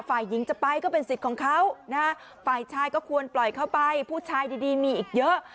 ฝ่ายหญิงจะไปก็เป็นสิทธิ์ของเขานะฮะฝ่ายชายก็ควรปล่อยเข้าไปผู้ชายดีมีอีกเยอะ